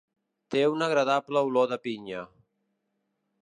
Té una agradable olor de pinya.